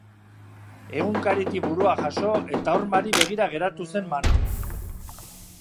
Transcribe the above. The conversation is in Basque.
Egunkaritik burua jaso eta hormari begira geratu zen Manu.